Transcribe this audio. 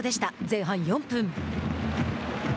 前半４分。